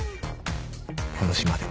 この島で